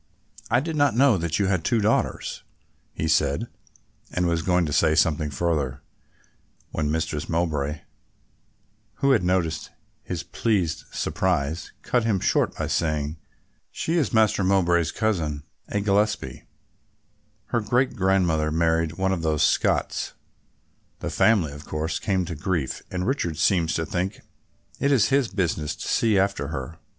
"I did not know that you had two daughters," he said, and was going to say something further, when Mistress Mowbray, who had noticed his pleased surprise, cut him short by saying: "She is Master Mowbray's cousin, a Gillespie, her great grandmother married one of those Scots; the family of course came to grief and Richard seems to think it is his business to see after her.